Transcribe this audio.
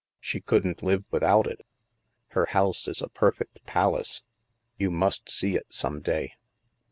She couldn't live without it. Her house is a perfect palace. You must see it some day."